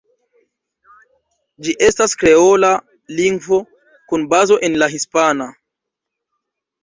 Ĝi estas kreola lingvo, kun bazo en la hispana.